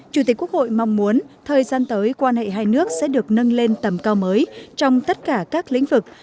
chủ tịch quốc hội mong muốn thời gian tới quan hệ hai nước sẽ được nâng lên tầm cao mới trong tất cả các lĩnh vực